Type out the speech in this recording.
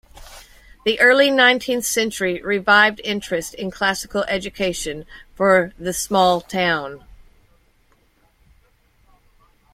The early nineteenth century revived interest in classical education for the small town.